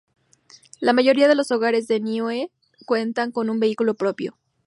La mayoría de los hogares de Niue cuentan con un vehículo propio.